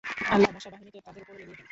আল্লাহ মশা বাহিনীকে তাদের উপর লেলিয়ে দেন।